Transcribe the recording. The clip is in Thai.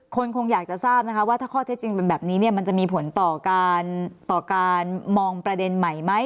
คงอยากจะทราบนะคะว่าถ้าข้อเท็จจริงเป็นแบบนี้มันจะมีผลต่อการต่อการมองประเด็นใหม่ไหม